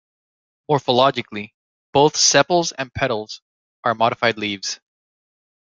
Morphologically, both sepals and petals are modified leaves.